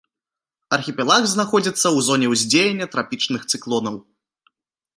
Архіпелаг знаходзіцца ў зоне ўздзеяння трапічных цыклонаў.